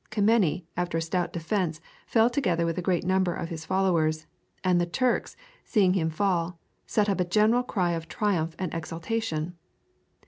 Kemeny, after a stout defence, fell together with a great number of his followers, and the Turks, seeing him fall, set up a general cry of triumph and exultation.